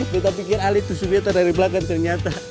meta pikir ale tersubiata dari belakang ternyata